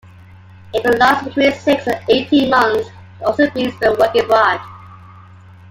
It can last between six and eighteen months and also be spent working abroad.